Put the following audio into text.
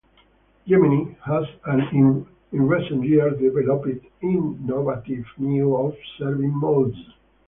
Gemini has in recent years developed innovative new observing modes.